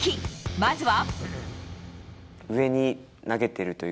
まずは。